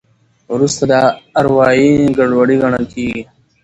وروسته دا اروایي ګډوډي ګڼل کېږي.